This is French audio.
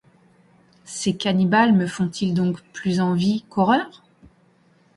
Ces cannibales me font-ils donc plus envie qu’horreur ?